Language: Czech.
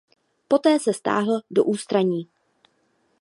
Poté se stáhl do ústraní.